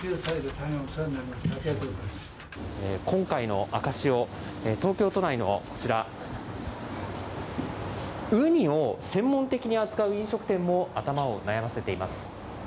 今回の赤潮、東京都内のこちら、ウニを専門的に扱う飲食店も、頭を悩ませています。